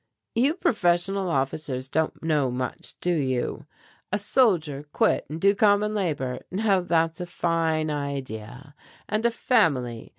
"You professional officers don't know much, do you? A soldier quit and do common labor, now that's a fine idea. And a family!